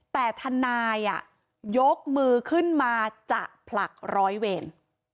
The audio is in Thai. แต่ทนายยกมือขึ้นมาจะผลักร้อยเวร